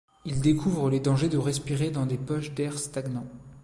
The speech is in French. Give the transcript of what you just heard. Il découvre les dangers de respirer dans des poches d'air stagnant.